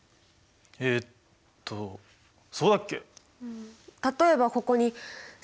えっとそうだっけ？